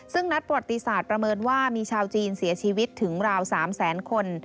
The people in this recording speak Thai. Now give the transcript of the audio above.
ซึ่งนัดประวัติศาสตร์ประเมินว่ามีชาวจีนเสียชีวิตถึงราว๓แสนคน